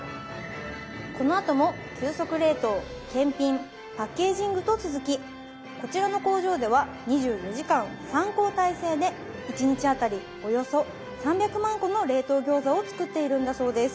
このあとも急速冷凍検品パッケージングと続きこちらの工場では２４時間３交代制で１日あたりおよそ３００万個の冷凍餃子を作っているんだそうです。